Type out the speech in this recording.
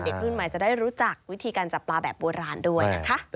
รุ่นใหม่จะได้รู้จักวิธีการจับปลาแบบโบราณด้วยนะคะ